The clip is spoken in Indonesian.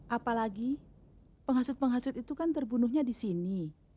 apalagi penghasut penghasut itu kan terbunuhnya di sini